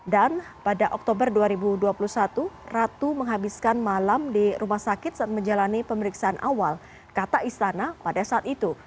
dan pada oktober dua ribu dua puluh satu ratu menghabiskan malam di rumah sakit saat menjalani pemeriksaan awal kata istana pada saat itu